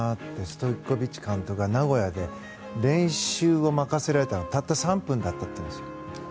ストイコビッチ監督が名古屋で練習を任せられたのはたった３分だったというんです。